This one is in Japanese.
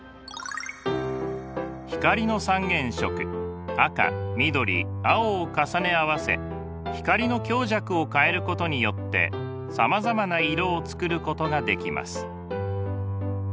光の三原色赤緑青を重ね合わせ光の強弱を変えることによってさまざまな色を作ることができます。